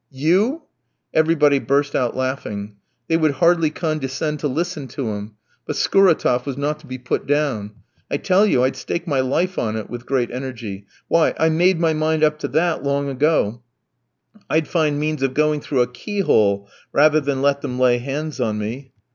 "You?" Everybody burst out laughing. They would hardly condescend to listen to him; but Skouratof was not to be put down. "I tell you I'd stake my life on it!" with great energy. "Why, I made my mind up to that long ago. I'd find means of going through a key hole rather than let them lay hands on me."